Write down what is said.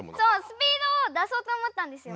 スピードを出そうと思ったんですよ。